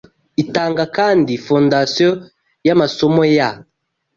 itanga kandi fondasiyo yamasomo ya